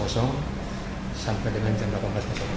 sampai dengan jam delapan belas